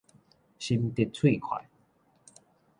心直喙快